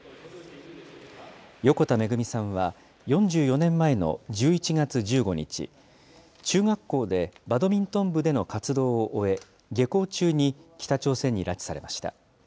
横田めぐみさんは、４４年前の１１月１５日、中学校でバドミントン部での活動を終え、下校中に北朝鮮に拉致されました。